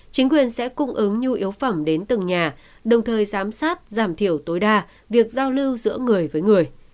chính quyền sẽ cung ứng nhu yếu phẩm đến từng nhà đồng thời giám sát giảm thiểu tối đa việc giao lưu giữa người với người